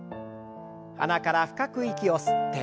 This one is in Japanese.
鼻から深く息を吸って。